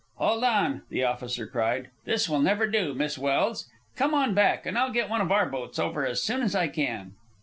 "Hold on!" the officer cried. "This will never do, Miss Welse. Come on back, and I'll get one of our boats over as soon as I can."